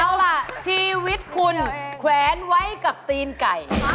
เอาล่ะชีวิตคุณแขวนไว้กับตีนไก่